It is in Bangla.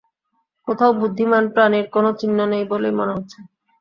কোথাও বুদ্ধিমান প্রাণীর কোনো চিহ্ন নেই বলেই মনে হচ্ছে।